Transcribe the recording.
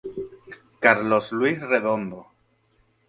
Carlos Luis Redondo.